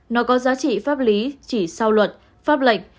nó có giá trị pháp lý chỉ sau luật pháp lệnh